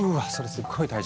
すっごい大事！